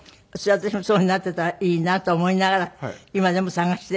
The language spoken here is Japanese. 私もそういうふうになっていたらいいなと思いながら今でも探している。